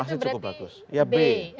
tujuh lima itu berarti b